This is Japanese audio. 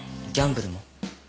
ギャンブルも。